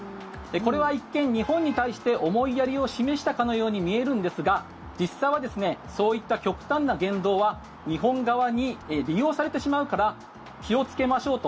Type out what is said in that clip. これは一見、日本に対して思いやりを示したかのように見えるんですが実際はそういった極端な言動は日本側に利用されてしまうから気をつけましょうと。